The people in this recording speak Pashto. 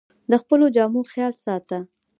د خپلو جامو خیال ساته